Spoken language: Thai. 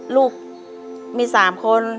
ลูกมี๓คน